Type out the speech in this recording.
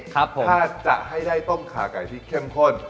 ถ้าจะให้ได้ต้มขาไก่ที่เข้มข้น